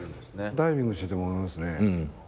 ダイビングしてて思いますね。